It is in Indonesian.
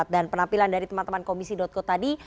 dan penampilan dari teman teman komisi co tadi